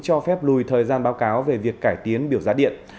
cho phép lùi thời gian báo cáo về việc cải tiến biểu giá điện